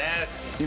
今。